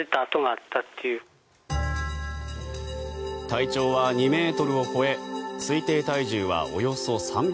体長は２ｍを超え推定体重はおよそ３００ｋｇ。